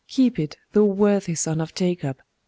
Keep it, thou worthy son of Jacob.